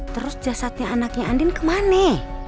terus jasadnya anaknya andin kemana